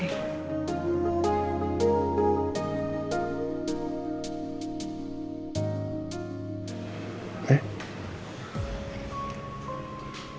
harimau tetap fitness